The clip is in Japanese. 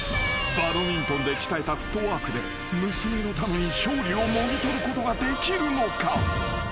［バドミントンで鍛えたフットワークで娘のために勝利をもぎ取ることができるのか？］